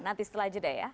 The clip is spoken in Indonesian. nanti setelah jeda ya